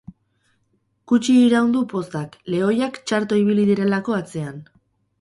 Gutxi iraun du pozak, lehoiak txarto ibili direlako atzean.